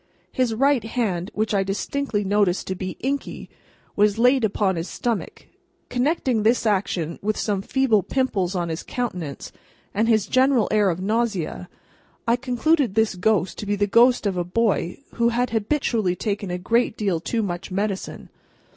His right hand (which I distinctly noticed to be inky) was laid upon his stomach; connecting this action with some feeble pimples on his countenance, and his general air of nausea, I concluded this ghost to be the ghost of a boy who had habitually taken a great deal too much medicine.